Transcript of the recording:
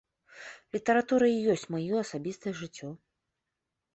Літаратура і ёсць маё асабістае жыццё.